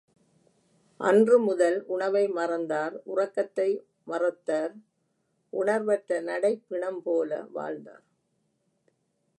அன்று முதல் உணவை மறந்தார் உறக்கத்தை மறத்தார் உணர்வற்ற நடைப் பிணம்போல வாழ்ந்தார்!